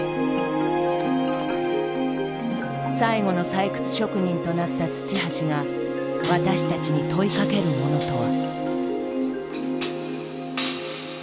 最後の採掘職人となった土橋が私たちに問いかけるものとは？